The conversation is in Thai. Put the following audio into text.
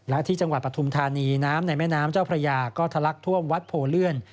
และที่จังหวัดปฐุมธานีน้ำในแม่น้ำเจ้าพระยาก็ทะลักท่วมวัดโพเลื่อน